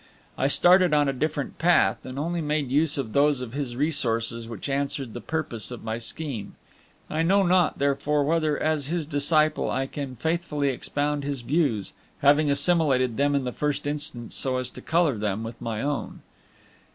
I started on a different path, and only made use of those of his researches which answered the purpose of my scheme. I know not, therefore, whether as his disciple I can faithfully expound his views, having assimilated them in the first instance so as to color them with my own.